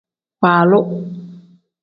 Waalu.